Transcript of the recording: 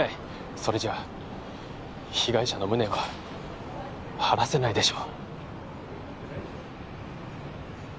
それじゃ被害者の無念は晴らせないでしょう